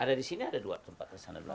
ada di sini ada dua tempat di sana